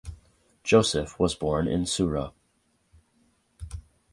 Joseph was born in Sura.